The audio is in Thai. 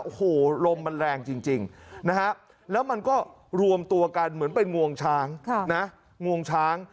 โอ้โหลมมันแรงจริงนะฮะแล้วมันก็รวมตัวกันเหมือนเป็นงวงช้างนะงวงช้าง